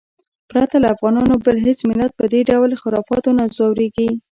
پرته له افغانانو بل هېڅ ملت په دې ډول خرافاتو نه ځورېږي.